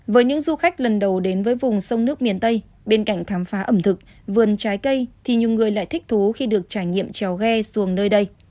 với những du khách lần đầu đến với vùng sông nước miền tây bên cạnh khám phá ẩm thực vườn trái cây thì nhiều người lại thích thú khi được trải nghiệm trèo ghe xuồng nơi đây